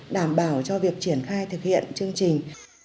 đảm bảo cho việc triển khai thực hiện chương trình